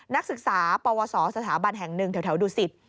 นักศึกษาปวสสถาบันแห่งหนึ่งแถวดูสิต